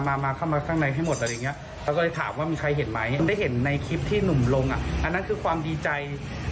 เข้ามาข้างในให้หมดอะไรอย่างนี้